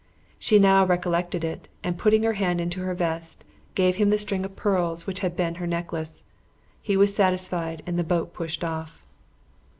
She now recollected it, and putting her hand into her vest, gave him the string of pearls which had been her necklace. He was satisfied, and the boat pushed off.